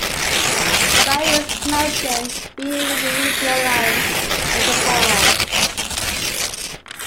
Cyrus is mentioned being in a military alliance with the former.